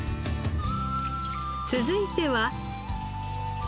続いては。